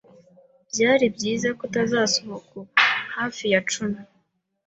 Byari byiza ko utasohoka ubu. Hafi ya cumi.